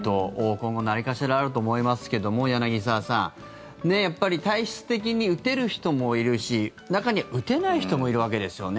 今後、何かしらあると思いますけども、柳澤さん体質的に打てる人もいるし中には打てない人もいるわけですよね。